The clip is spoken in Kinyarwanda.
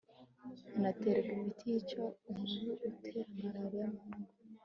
hanaterwa imiti yica umubu utera malariya mu ngo